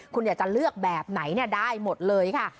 คุณอยากจะเลือกแบบไหนได้หมดเลยค่ะ